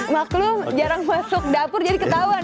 maklum jarang masuk dapur jadi ketahuan